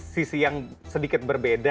sisi yang sedikit berbeda